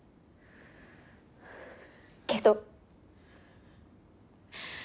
けど。